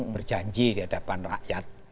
berjanji di hadapan rakyat